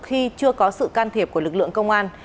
khi chưa có sự can thiệp của lực lượng công an